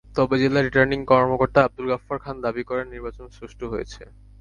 তবে জেলা রিটার্নিং কর্মকর্তা আবদুল গাফফার খান দাবি করেন, নির্বাচন সুষ্ঠু হয়েছে।